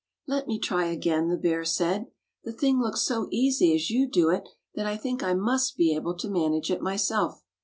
"Let me try again," the bear said. "The thing looks so easy as you do it that I think I must be able to manage it myself."